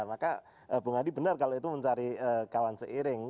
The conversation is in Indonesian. maka bung hadi benar kalau itu mencari kawan seiring